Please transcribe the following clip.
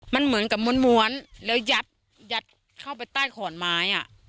มันเหมือนกับม้วนแล้วยัดเข้าไปใต้ขอนไม้